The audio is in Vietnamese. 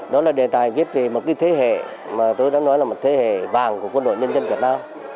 đó là đề tài viết về một cái thế hệ mà tôi đã nói là một thế hệ vàng của quân đội nhân dân việt nam